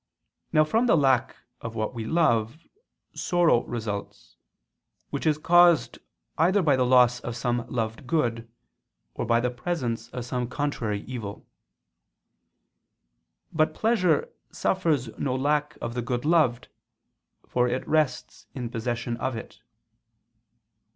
Now from the lack of what we love, sorrow results, which is caused either by the loss of some loved good, or by the presence of some contrary evil. But pleasure suffers no lack of the good loved, for it rests in possession of it.